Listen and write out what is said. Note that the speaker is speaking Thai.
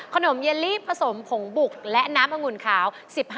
เยลลี่ผสมผงบุกและน้ำองุ่นขาว๑๕